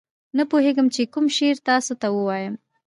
نه پوهېږم چې کوم شعر تاسو ته ووایم.